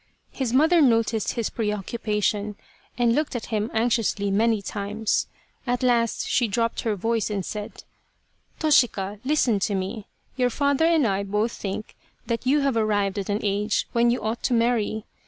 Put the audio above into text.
His mother noticed his preoccupation and looked at him anxiously many times. At last she dropped her voice and said :" Toshika, listen to me ! Your father and I both think that you have arrived at an age when you ought to marry.